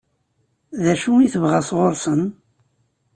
D acu i tebɣa sɣur-sen?